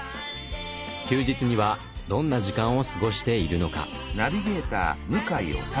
休日にはどんな時間を過ごしているのか。